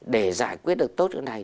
để giải quyết được tốt như thế này